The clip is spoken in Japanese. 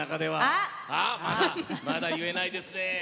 あっまだ言えないですね。